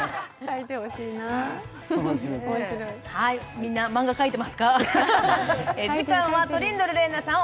みんなマンガ描いてますか？